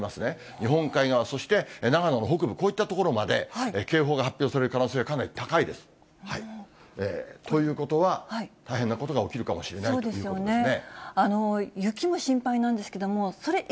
日本海側、そして長野の北部、こういった所まで警報が発表される可能性、かなり高いです。ということは、大変なことが起きるかもしれないということですね。